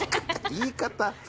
言い方。